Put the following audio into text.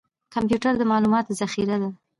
کمپیوټر د معلوماتو ذخیره ده